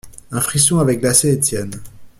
Un frisson avait glacé Étienne.